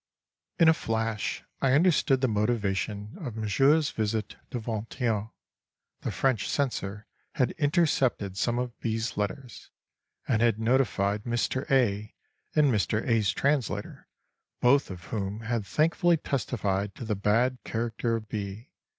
In a flash I understood the motivation of Monsieur's visit to Vingt et Un: the French censor had intercepted some of B.'s letters, and had notified Mr. A. and Mr. A.'s translator, both of whom had thankfully testified to the bad character of B.